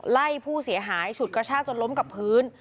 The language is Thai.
ไล่ผู้เสียหายฉุดกระชากจนล้มกับพื้น